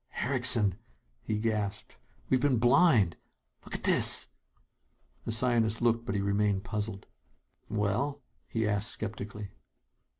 "Erickson!" he gasped. "We've been blind. Look at this!" The scientist looked; but he remained puzzled. "Well ?" he asked skeptically.